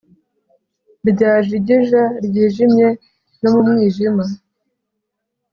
Ryajigija ryijimye no mu mwijima